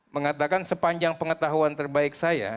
mengatakan sepanjang pengetahuan terbaik saya